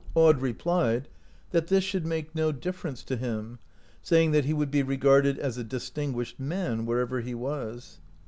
Aud re plied, that this should make no difference to him, saying that he would be regarded as a distinguished man wherever he was.